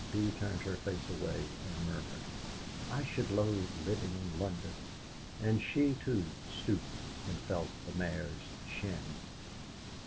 Bee turned her face away and murmured: "I should loathe living in London." And she, too, stooped and felt the mare's shin.